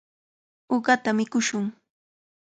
Uqata mikushun.